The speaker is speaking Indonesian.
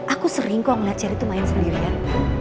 aku sering kok ngeliat cherry tuh main sendirian